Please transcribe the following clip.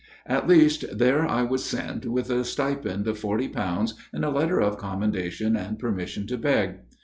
" At least, there I was sent, with a stipend of forty pounds and a letter of commendation and permission to beg.